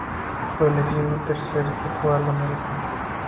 Fue elegido en el tercer equipo All-American.